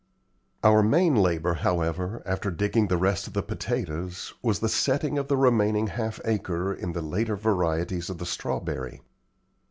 Our main labor, however, after digging the rest of the potatoes, was the setting of the remaining half acre in the later varieties of the strawberry.